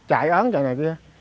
chạy án chạy này kia